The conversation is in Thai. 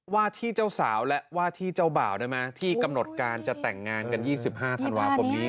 ว่าที่เจ้าสาวและว่าที่เจ้าบ่าวได้ไหมที่กำหนดการจะแต่งงานกัน๒๕ธันวาคมนี้